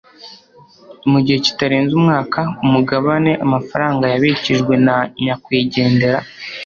mu gihe kitarenze umwaka, umugabane, amafaranga yabikijwe na nyakwigendera